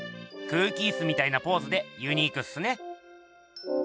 空気イスみたいなポーズでユニークっすね。